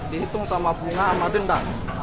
dihitung sama bunga sama denda